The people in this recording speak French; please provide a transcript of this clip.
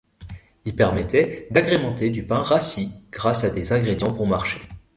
Ils permettaient d'agrémenter du pain rassis grâce à des ingrédients bon marché.